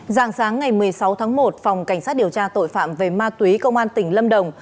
giàng sáng ngày một mươi sáu tháng một phòng cảnh sát điều tra tội phạm về ma túy công an tỉnh lâm đồng